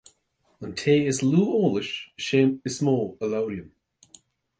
An té is lú eolais is é is mó a labhraíonn